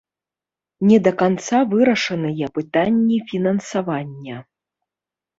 Не да канца вырашаныя пытанні фінансавання.